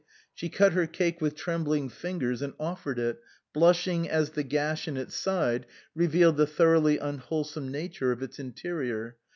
She cut her cake with trembling fingers and offered it, blushing as the gash in its side revealed the thoroughly unwholesome nature of its interior.